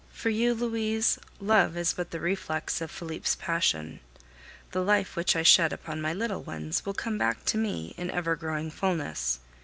For you, Louise, love is but the reflex of Felipe's passion; the life which I shed upon my little ones will come back to me in ever growing fulness.